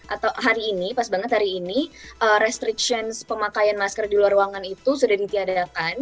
atau hari ini pas banget hari ini restrictions pemakaian masker di luar ruangan itu sudah ditiadakan